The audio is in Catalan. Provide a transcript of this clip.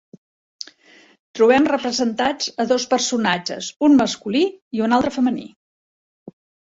Trobem representats a dos personatges, un masculí i un altre femení.